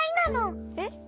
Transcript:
えっ？